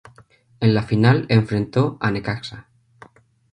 En la final enfrentó a Necaxa.